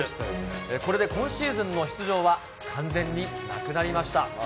これで今シーズンの出場は完全になくなりました。